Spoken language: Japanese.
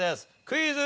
クイズ。